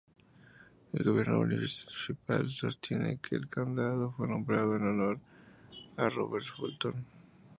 El gobierno municipal sostiene que el condado fue nombrado en honor a Robert Fulton.